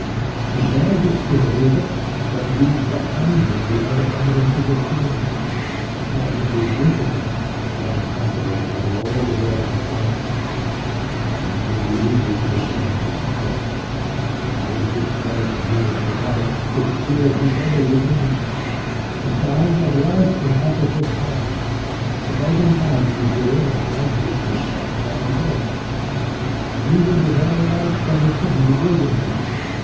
He bears it to the river, but leaves behind him the other evidences of guilt; for it is difficult, if not impossible to carry all the burthen at once, and it will be easy to return for what is left. But in his toilsome journey to the water his fears redouble within him. The sounds of life encompass his path. A dozen times he hears or fancies the step of an observer. Even the very lights from the city bewilder him.